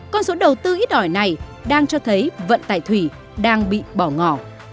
con số đầu tư ít ỏi này đang cho thấy vận tải thủy đang bị bỏ ngỏ